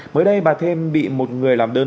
mới đây bà thêm bị một người làm đơn